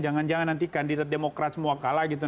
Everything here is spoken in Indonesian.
jangan jangan nanti kandidat demokrat semua kalah gitu